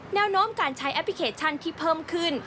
แนวโน้มการใช้แอปพลิเคชันที่เพิ่มขึ้น